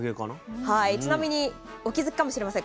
ちなみにお気付きかもしれません。